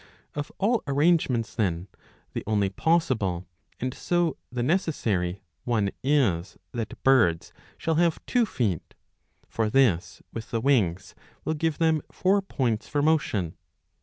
Of all arrangements, then, the only possible, and so the necessary, one is that birds shall have two feet ; for this with the wings will give them four points for motion.